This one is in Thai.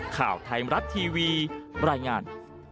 ข่าวไทยมรัฐทีวีบรรยายงาน